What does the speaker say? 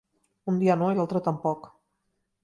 Un dia no i l'altre tampoc.